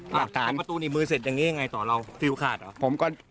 ประตูหนีบมือเสร็จอย่างนี้ยังไงต่อเราฟิวขาดหรือ